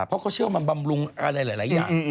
เพราะเขาเชื่อว่ามันบำรุงอะไรหลายอย่าง